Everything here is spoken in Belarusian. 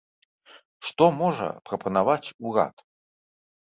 Што можа прапанаваць урад?